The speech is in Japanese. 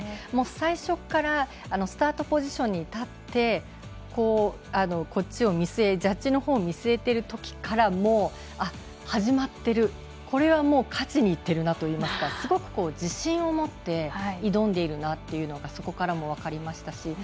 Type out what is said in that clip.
最初からスタートポジションに立ってジャッジのほうを見据えているときから始まっているこれは勝ちにいっているというかすごく自信を持って挑んでいるなというのがそこからも分かりましたし。